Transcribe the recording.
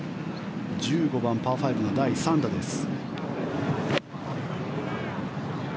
１５番、パー５の第３打です。